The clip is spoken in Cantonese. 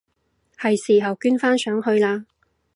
係時候捐返上去喇！